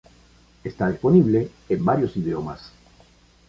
Está disponible en varios idiomas.